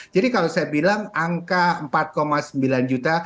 jadi kalau saya bilang angka empat sembilan juta